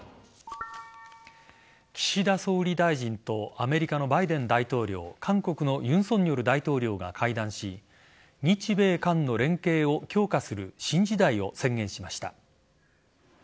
岸田総理大臣とアメリカのバイデン大統領韓国の尹錫悦大統領が会談し日米韓の連携を強化する新時代を宣言しました。